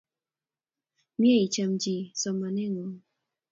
Mye icham chi somanet ng'ung'